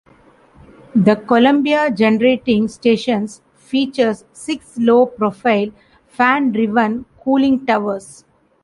The Columbia Generating Station features six low-profile fan-driven cooling towers.